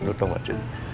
lo tau gak cid